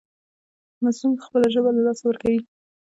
مظلوم خپله ژبه له لاسه ورکوي.